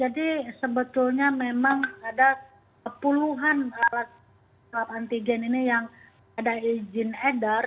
jadi sebetulnya memang ada puluhan alat swab antigen ini yang ada izin edar